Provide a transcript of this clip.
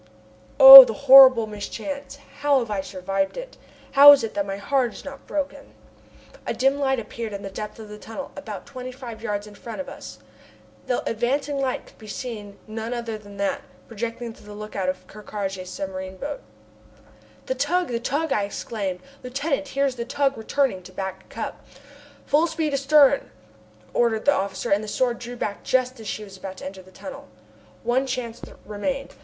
Oh! the horrible mischance! How have I survived it? How is it that my heart is not broken? A dim light appeared in the depth of the tunnel, about twenty five yards in front of us. The advancing light could be none other than that, projected through the lookout of Ker Karraje's submarine boat. "The tug! The tug!" I exclaimed. "Lieutenant, here is the tug returning to Back Cup!" "Full speed astern," ordered the officer, and the Sword drew back just as she was about to enter the tunnel. One chance remained.